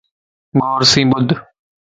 غور سين ٻڌ